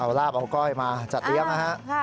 เอาลาบเอาก้อยมาจัดเลี้ยงนะฮะ